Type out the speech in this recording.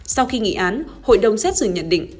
sau khi nghỉ án hội đồng xét xử nhận định